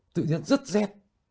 tự nhiên rất rét